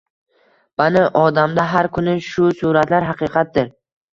Bani Odamda har kuni bu suratlar haqiqatdir